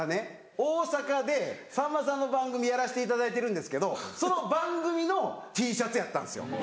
大阪でさんまさんの番組やらしていただいてるんですけどその番組のＴシャツやったんですよ。